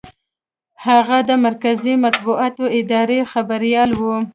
هغه د مرکزي مطبوعاتي ادارې خبریال و.